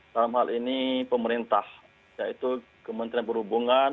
dalam hal ini pemerintah yaitu kementerian perhubungan